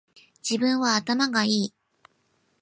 自分は頭がいい